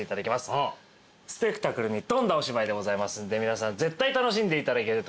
スペクタクルに富んだお芝居でございますんで皆さん絶対楽しんでいただけると思います。